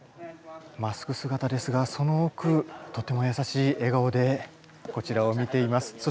マスクすがたですがそのおくとてもやさしい笑顔でこちらを見ています。